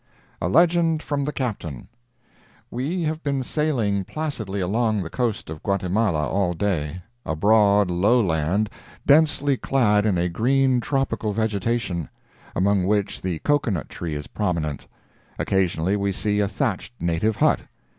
A LEGEND FROM THE CAPTAIN We have been sailing placidly along the coast of Guatemala all day—a broad, low land, densely clad in a green, tropical vegetation, among which the cocoa nut tree is prominent; occasionally we see a thatched native hut.